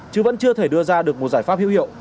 chứ vẫn chưa thể đưa ra được một giải pháp hữu hiệu